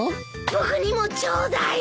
僕にもちょうだい！